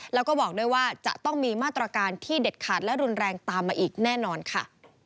แล้วก็บอกด้วยว่าจะต้องมีมาตรการที่เด็ดขาดและรุนแรงตามมาอีกแน่นอนค่ะ